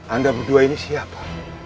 anda berdua ini siapa